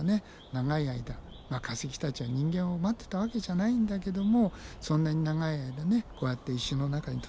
長い間化石たちは人間を待ってたわけじゃないんだけどもそんなに長い間ねこうやって石の中に閉じ込められていたならば